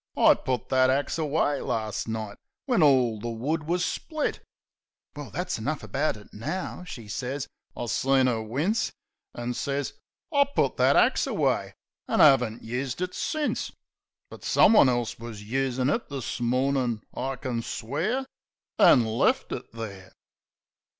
I put that axe away last night when all the wood wus split." "Well, that's enough about it now," she sez. I seen 'er wince, An' sez, "I put that axe away, an' 'aven't used it since; But someone else wus usin' it this mornin', I kin swear, An' left it there."